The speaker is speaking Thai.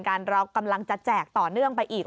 เรากำลังจะแจกต่อเนื่องไปอีก